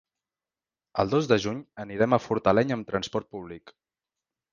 El dos de juny anirem a Fortaleny amb transport públic.